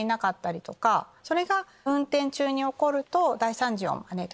それが運転中に起こると大惨事を招く。